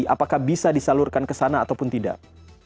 apakah bisa disalurkan ke sana ataupun tidak